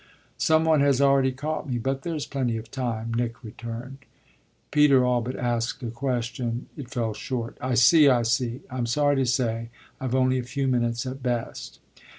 "Some one has already caught me, but there's plenty of time," Nick returned. Peter all but asked a question it fell short. "I see, I see. I'm sorry to say I've only a few minutes at best."